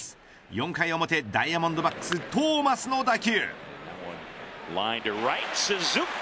４回表ダイヤモンドバックストーマスの打球。